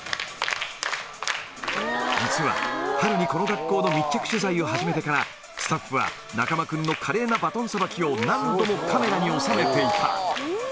実は、春にこの学校の密着取材を始めてから、スタッフは中間君の華麗なバトンさばきを何度もカメラに収めていた。